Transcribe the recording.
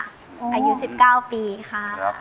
อายุ๑๙ปีค่ะ